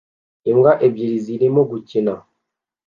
Imbwa ebyiri zirimo gukina